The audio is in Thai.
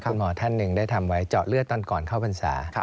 คุณหมอท่านหนึ่งได้ทำไว้เจาะเลือดตอนก่อนเข้าพรรษา